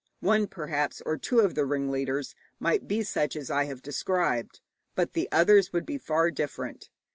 One, perhaps, or two of the ringleaders might be such as I have described, but the others would be far different.